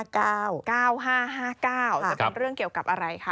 จะเป็นเรื่องเกี่ยวกับอะไรคะ